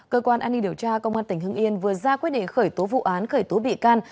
cơ quan an ninh điều tra công an tỉnh hưng yên vừa ra quyết định khởi tố vụ án khởi tố bị can